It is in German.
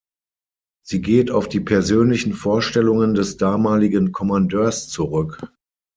Sie geht auf die persönlichen Vorstellungen des damaligen Kommandeurs zurück.